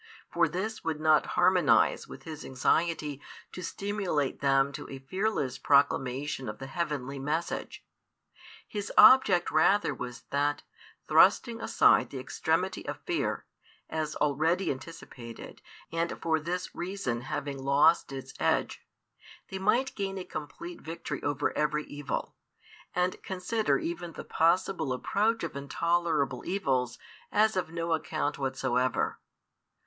For |435 this would not harmonise with His anxiety to stimulate them to a fearless proclamation of the heavenly message. His object rather was that, thrusting aside the extremity of fear, as already anticipated and for this reason having lost its edge, they might gain a complete victory over every evil, and consider even the possible approach of intolerable evils as of no account whatsoever.